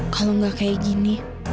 kalau gak kayak gini